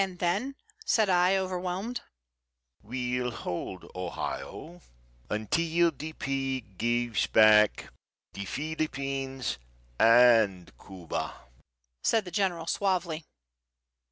"And then?" said I, overwhelmed. "We'll hold Ohio until the pig gives back the Philippines and Cuba," said the General, suavely.